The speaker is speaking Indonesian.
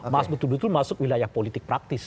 mas betul betul masuk wilayah politik praktis